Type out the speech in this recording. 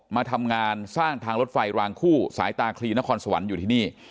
มาทำงานสร้างทางรถไฟรางคู่สายตาคลีนครสวรรค์อยู่ที่นี่